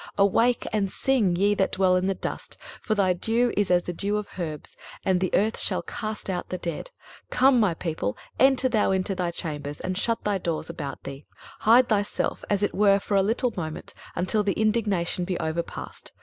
Awake and sing, ye that dwell in dust: for thy dew is as the dew of herbs, and the earth shall cast out the dead. 23:026:020 Come, my people, enter thou into thy chambers, and shut thy doors about thee: hide thyself as it were for a little moment, until the indignation be overpast.